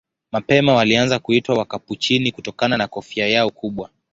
Mapema walianza kuitwa Wakapuchini kutokana na kofia yao kubwa.